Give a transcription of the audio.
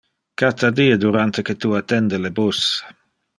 Cata die durante que tu attende pro le bus.